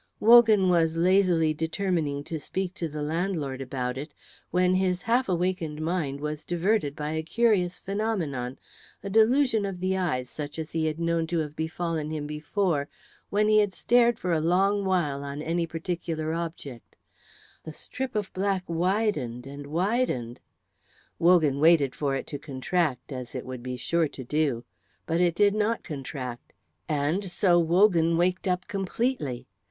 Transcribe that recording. Wogan was lazily determining to speak to the landlord about it when his half awakened mind was diverted by a curious phenomenon, a delusion of the eyes such as he had known to have befallen him before when he had stared for a long while on any particular object: the strip of black widened and widened. Wogan waited for it to contract, as it would be sure to do. But it did not contract, and so Wogan waked up completely.